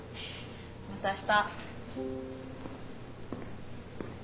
また明日。